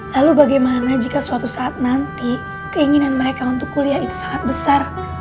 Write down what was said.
lalu bagaimana jika suatu saat nanti keinginan mereka untuk kuliah itu sangat besar